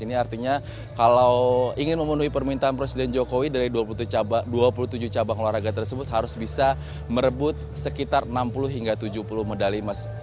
ini artinya kalau ingin memenuhi permintaan presiden jokowi dari dua puluh tujuh cabang olahraga tersebut harus bisa merebut sekitar enam puluh hingga tujuh puluh medali emas